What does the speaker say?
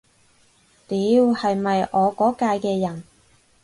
屌，係咪我嗰屆嘅人